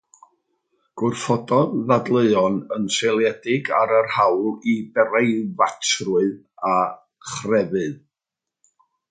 Gwrthododd ddadleuon yn seiliedig ar yr hawl i breifatrwydd a chrefydd.